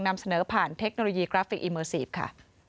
นำเสนอผ่านเทคโนโลยีกราฟิกอีเมอร์ซีฟค่ะ